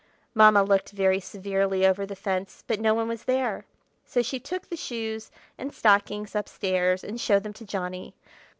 Mamma looked very severely over the fence, but no one was there; so she took the shoes and stockings up stairs and showed them to Johnny.